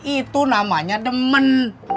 itu namanya demen